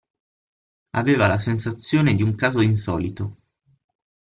Aveva la sensazione di un caso insolito.